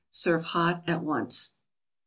Serve hot at once. 49.